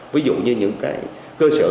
ví dụ như những cái cơ sở